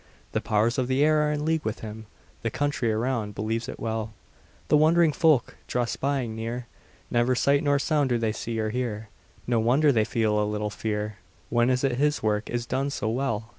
The powers of the air are in league with him; The country around believes it well; The wondering folk draw spying near; Never sight nor sound do they see or hear; No wonder they feel a little fear; When is it his work is done so well?